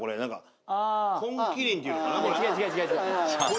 違う違う違う。